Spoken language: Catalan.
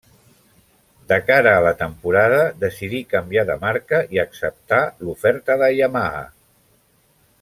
De cara a la temporada decidí canviar de marca i acceptar l'oferta de Yamaha.